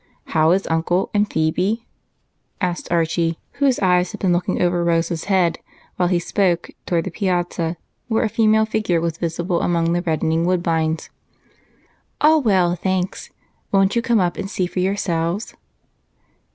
How are Uncle and Phebe?" asked Archie, whose eyes had been looking over Rose's head while he spoke toward the piazza, where a female figure was visible among the reddening woodbines. "All well, thanks. Won't you come up and see for yourselves?"